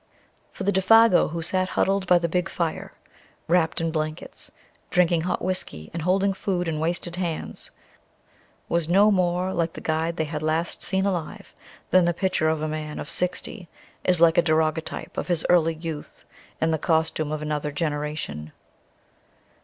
For the "Défago" who sat huddled by the big fire, wrapped in blankets, drinking hot whisky and holding food in wasted hands, was no more like the guide they had last seen alive than the picture of a man of sixty is like a daguerreotype of his early youth in the costume of another generation.